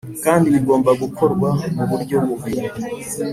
kandi bigomba gukorwa mu buryo bubiri: